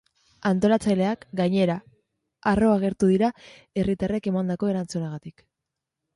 Antolatzaileak, gainera, harro agertu dira herritarrek emandako erantzunagatik.